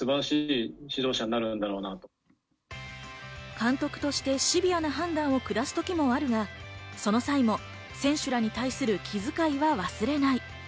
監督としてシビアな判断を下す時もあるが、そのときも選手らに対する気づかいは忘れない。